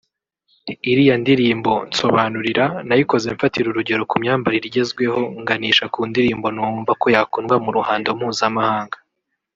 Iriya ndirimbo ‘Nsobanurira’ nayikoze mfatira urugero ku myambarire igezweho nganisha ku ndirimbo numva ko yakundwa mu ruhando mpuzamahanga